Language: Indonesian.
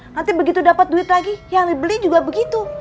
nanti begitu dapat duit lagi yang dibeli juga begitu